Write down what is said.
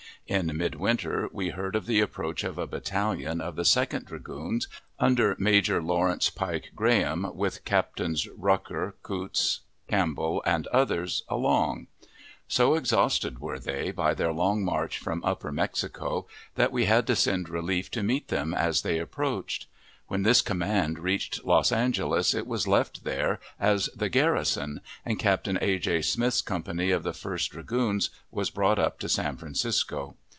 In midwinter we heard of the approach of a battalion of the Second Dragoons, under Major Lawrence Pike Graham, with Captains Rucker, Coutts, Campbell, and others, along. So exhausted were they by their long march from Upper Mexico that we had to send relief to meet them as they approached. When this command reached Los Angeles, it was left there as the garrison, and Captain A. J. Smith's company of the First Dragoons was brought up to San Francisco.